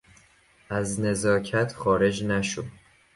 از نزاکت خارج نشو!